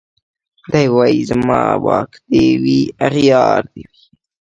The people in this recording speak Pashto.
دی وايي زما واک دي وي اغيار دي وي